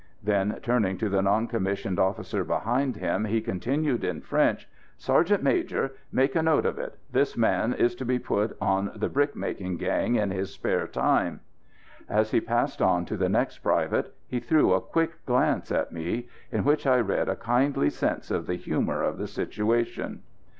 Then, turning to the non commissioned officer behind him, he continued in French: "Sergeant major! Make a note of it: this man to be put on the brick making gang in his spare time." As he passed on to the next private he threw a quick glance at me, in which I read a kindly sense of the humour of the situation.